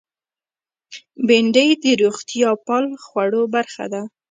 بېنډۍ د روغتیا پال خوړو برخه ده